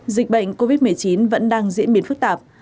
dịch bệnh covid một mươi chín vẫn đang diễn biến phức tạp